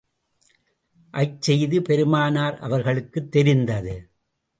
அச்செய்தி பெருமானார் அவர்களுக்குத் தெரிந்தது.